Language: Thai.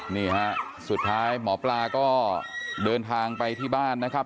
นี่ฮะสุดท้ายหมอปลาก็เดินทางไปที่บ้านนะครับ